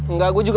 enggak gue juga